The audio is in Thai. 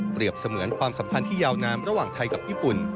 เสมือนความสัมพันธ์ที่ยาวนานระหว่างไทยกับญี่ปุ่น